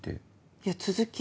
いや続き。